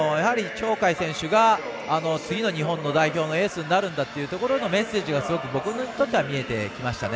鳥海選手が次の日本代表のエースになるんだというところのメッセージが僕には見えてきましたね。